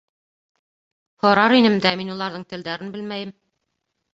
— Һорар инем дә, мин уларҙың телдәрен белмәйем.